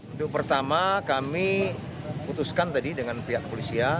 untuk pertama kami putuskan tadi dengan pihak polisi ya